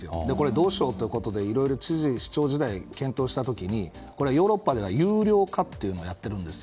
どうしようということで知事、市長時代に検討した時ヨーロッパでは有料化をやっているんです。